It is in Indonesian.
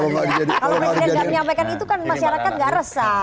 kalau presiden gak menyampaikan itu kan masyarakat gak resah